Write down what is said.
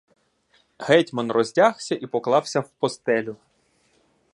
Гетьман роздягся і поклався в постелю.